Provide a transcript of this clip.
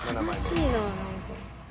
悲しいな何か。